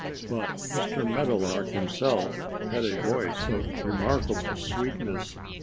But Mr. Meadowlark himself had a voice of remarkable sweetness.